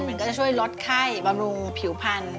ทองคำเปลวลงผิวพันธุ์